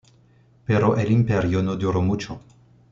Pero el Imperio no duró mucho.